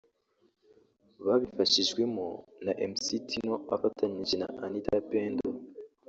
babifashijwemo na Mc Tino afatanyije na Anita Pendo